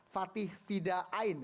fatih fida ain